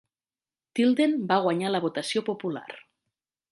Tilden va guanyar la votació popular.